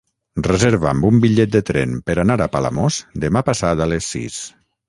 Reserva'm un bitllet de tren per anar a Palamós demà passat a les sis.